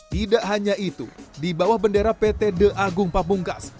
tidak hanya itu di bawah bendera pt the agung pabungkas